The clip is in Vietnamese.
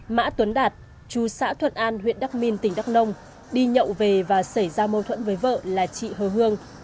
mã tuấn đạt chú xã thuận an huyện đắc minh tỉnh đắc nông đi nhậu về và xảy ra mâu thuẫn với vợ là chị hơ hương